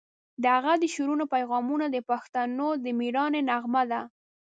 د هغه د شعرونو پیغامونه د پښتنو د میړانې نغمه ده.